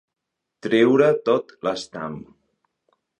Treure tot l'estam.